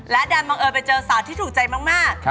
และดันบังเอิญไปเจอสาวที่ถูกใจมาก